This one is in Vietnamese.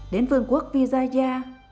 đến vương quốc vizaya